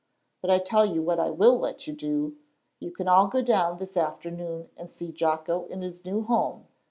"But I tell you what I will let you do; you can all go down this afternoon and see Jocko in his new home.